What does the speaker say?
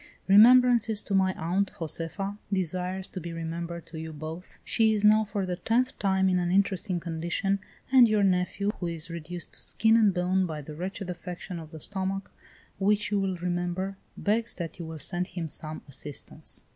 "Remembrances to my aunt; Josefa desires to be remembered to you both; she is now for the tenth time in an interesting condition, and your nephew, who is reduced to skin and bone by the wretched affection of the stomach, which you will remember, begs that you will send him some assistance.